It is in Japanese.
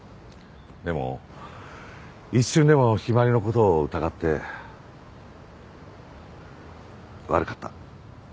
でも一瞬でも陽葵の事を疑って悪かった。